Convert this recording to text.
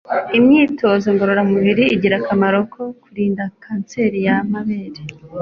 Imyitozo ngororamubiri igira akamaro ko kurinda kanseri y'amabere